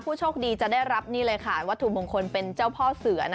โชคดีจะได้รับนี่เลยค่ะวัตถุมงคลเป็นเจ้าพ่อเสือ